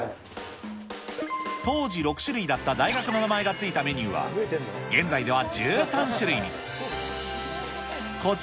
当時６種類だった大学の名前が付いたメニューは、現在では１３種類に。